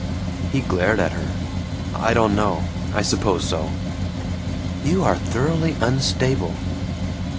He glared at her. "I don't know. I suppose so." "You are thoroughly unstable!"